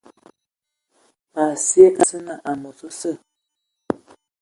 Ma sye a nsina amos osə.